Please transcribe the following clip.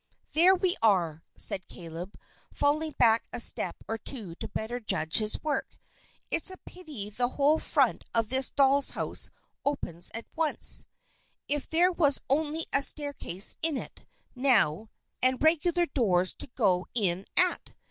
"There we are," said Caleb, falling back a step or two to better judge his work. "It's a pity the whole front of this doll's house opens at once! If there was only a staircase in it, now, and regular doors to go in at!